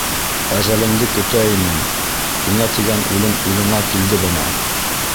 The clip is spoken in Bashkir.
Әжәлеңде көтә инең, һиңә тигән үлем улыңа килде бына.